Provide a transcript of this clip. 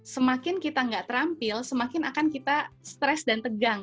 semakin kita nggak terampil semakin akan kita stres dan tegang